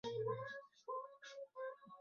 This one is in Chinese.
都是我不好，要不要我和她解释下？